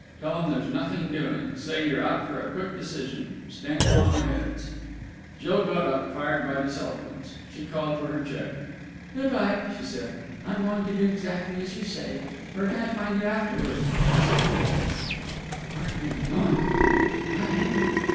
Tell 'em there's nothing doing. Say you're out for a quick decision! Stand 'em on their heads!" Jill got up, fired by this eloquence. She called for her check. "Good bye," she said. "I'm going to do exactly as you say. Where can I find you afterwards?" she said to Nelly. "You aren't really going?" "I am!"